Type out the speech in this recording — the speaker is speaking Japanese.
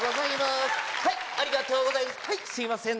はいすいません